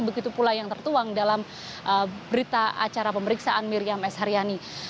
begitu pula yang tertuang dalam berita acara pemeriksaan miriam s haryani